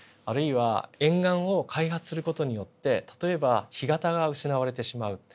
あるいは沿岸を開発する事によって例えば干潟が失われてしまう。